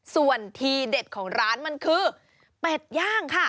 ส่วนทีเด็ดของร้านมันคือเป็ดย่างค่ะ